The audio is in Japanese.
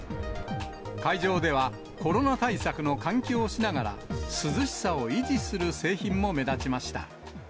会場では、コロナ対策の換気をしながら、涼しさを維持する製品も目立ちました。